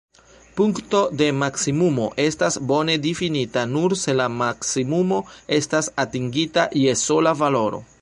Punkto de maksimumo estas bone-difinita nur se la maksimumo estas atingita je sola valoro.